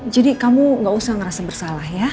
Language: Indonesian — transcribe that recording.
jadi kamu gak usah ngerasa bersalah ya